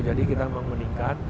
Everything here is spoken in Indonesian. jadi kita memang meningkat